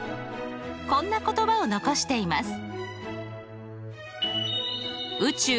こんな言葉を残しています。